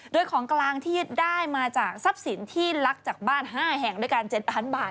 โดยของกลางที่ได้มาจากทรัพย์ศิลป์ที่ลักษณ์จากบ้าน๕แห่งด้วยกัน๗๐๐๐บาท